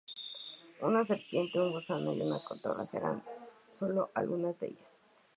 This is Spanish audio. Una Serpiente, un Gusano o una Cotorra serán sólo algunas de ellas...